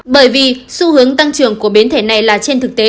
bởi vì xu hướng tăng trưởng của biến thể này là trên thực tế